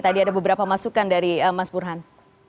tadi ada beberapa masukan dari mas burhan